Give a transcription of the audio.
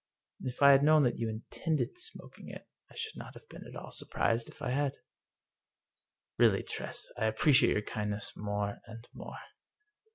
" If I had known that you intended smoking it I should not have been at all surprised if I had." " Really, Tress, I appreciate your kindness more and more